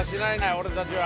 俺たちは。